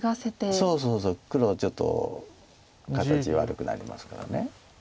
そうそうそう黒ちょっと形悪くなりますから。